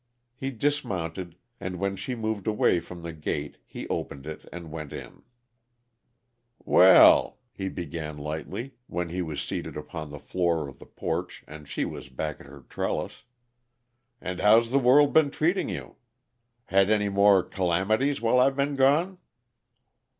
He dismounted, and when she moved away from the gate he opened it and went in. "Well," he began lightly, when he was seated upon the floor of the porch and she was back at her trellis, "and how's the world been using you? Had any more calamities while I've been gone?"